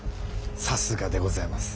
さすがでございます。